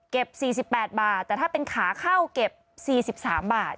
๔๘บาทแต่ถ้าเป็นขาเข้าเก็บ๔๓บาท